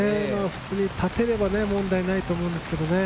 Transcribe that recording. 普通に立てれば問題ないと思いますけどね。